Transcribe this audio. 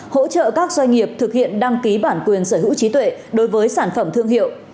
hỗ trợ các doanh nghiệp thực hiện đăng ký bản quyền sở hữu trí tuệ